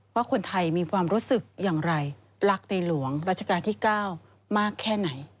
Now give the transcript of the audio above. แล้วคุณไทยมีความรู้สึกอย่างไรล่ะก็คุณลำและรักตีหลวงรัชกาลที่เก้ามากแค่ไหน